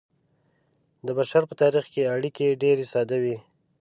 د بشر په تاریخ کې اړیکې ډیرې ساده وې.